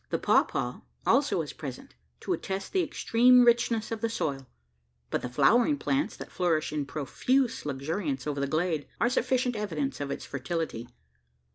The pawpaw also is present, to attest the extreme richness of the soil; but the flowering plants, that flourish in profuse luxuriance over the glade, are sufficient evidence of its fertility.